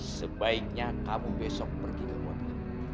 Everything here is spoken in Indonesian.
sebaiknya kamu besok pergi ke kota